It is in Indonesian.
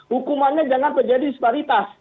hukumannya jangan terjadi disparitas